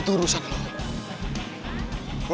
itu urusan lo